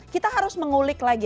kita harus mengulik lagi